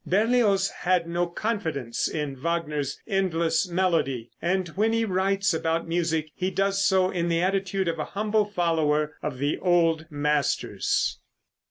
Berlioz had no confidence in Wagner's "endless melody," and when he writes about music he does so in the attitude of a humble follower of the old masters.